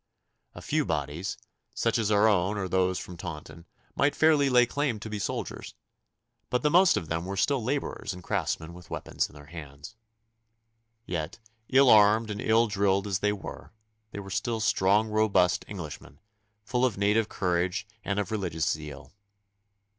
A few bodies, such as our own or those from Taunton, might fairly lay claim to be soldiers, but the most of them were still labourers and craftsmen with weapons in their hands. Yet, ill armed and ill drilled as they were, they were still strong robust Englishmen, full of native courage and of religious zeal.